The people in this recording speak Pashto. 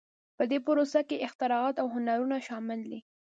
په دې پروسه کې اختراعات او هنرونه شامل دي.